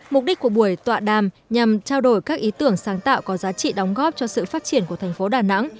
mục đích của buổi tọa đàm nhằm trao đổi các ý tưởng sáng tạo có giá trị đóng góp cho sự phát triển của thành phố đà nẵng